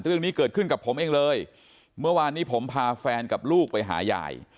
เรื่องนี้เกิดขึ้นกับผมเองเลยเมื่อวานนี้ผมพาแฟนกับลูกไปหายาย